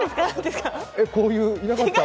こういう、いなかった？